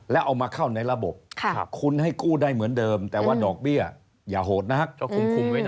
แล้วเอามาเข้าในระบบคุณให้กู้ได้เหมือนเดิมแต่ว่าดอกเบี้ยอย่าโหดนักก็คุมไว้ได้